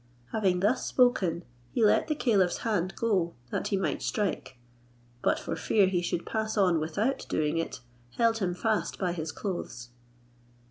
Having thus spoken, he let the caliph's hand go, that he might strike, but for fear he should pass on without doing it, held him fast by his clothes.